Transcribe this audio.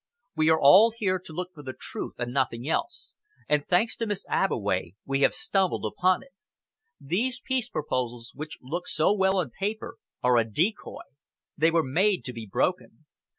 We are all here to look for the truth and nothing else, and, thanks to Miss Abbeway, we have stumbled upon it. These peace proposals, which look so well on paper, are a decoy. They were made to be broken.